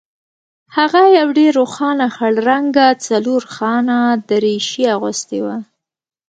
هغه یو ډیر روښانه خړ رنګه څلورخانه دریشي اغوستې وه